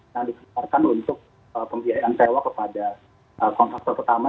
yang dikeluarkan untuk pembiayaan sewa kepada kontraktor pertama